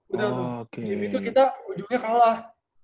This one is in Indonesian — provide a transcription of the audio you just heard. udah tuh game itu kita ujungnya kalah